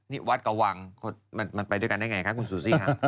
นี่วัดกะวังมันไปด้วยกันได้ไงคะคุณซูซี่ค่ะ